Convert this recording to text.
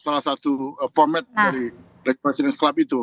salah satu format dari requation club itu